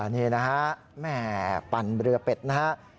นี่นะครับแม่ปั่นเรือเป็ดนะครับ